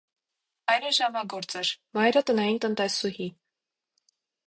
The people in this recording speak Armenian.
Հայրը ժամագործ էր, մայրը՝ տնային տնտեսուհի։